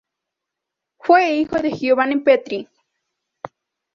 Fue hijo de Giovanni Petri.